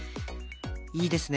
いいですね。